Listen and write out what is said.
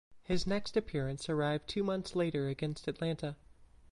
His next appearance arrived two months later against Atlanta.